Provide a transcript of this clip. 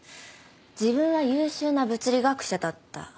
自分は優秀な物理学者だった。